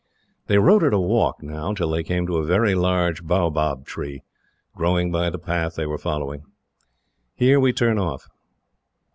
They rode at a walk, now, till they came to a very large baobab tree, growing by the path they were following. "Here we turn off."